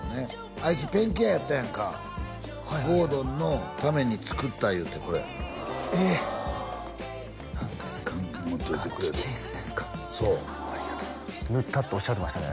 あいつペンキ屋やったやんか郷敦のために作ったいうてこれえっ持っといてくれって何ですか楽器ケースですかそう塗ったっておっしゃってましたね